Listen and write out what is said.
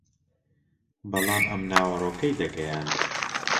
بەڵام ئەم ناوەڕۆکەی دەگەیاند